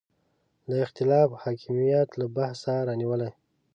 دا اختلاف د حکمیت له بحثه رانیولې.